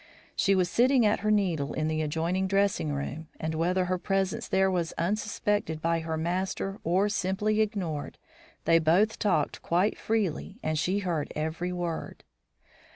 She was sitting at her needle in the adjoining dressing closet, and, whether her presence there was unsuspected by her master or simply ignored, they both talked quite freely and she heard every word.